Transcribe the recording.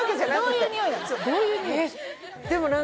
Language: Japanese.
どういうにおい？